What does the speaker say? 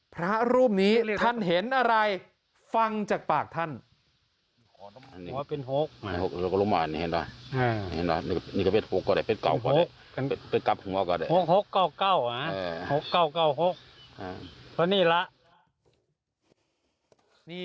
พระรูปนี้ท่านเห็นอะไรฟังจากปากท่าน